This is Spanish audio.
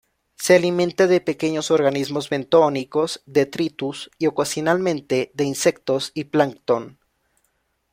Se alimenta de pequeños organismos bentónicos, detritus y, ocasionalmente, de insectos y plancton.